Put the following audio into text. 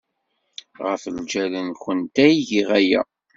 Ɣef lǧal-nwent ay giɣ aya.